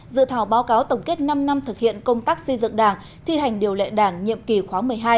dự thảo báo cáo tổng kết năm năm thực hiện công tác xây dựng đảng thi hành điều lệ đảng nhiệm kỳ khóa một mươi hai